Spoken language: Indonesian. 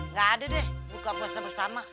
nggak ada deh buka puasa bersama